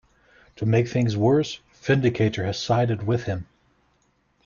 To make things worse, Vindicator has sided with him.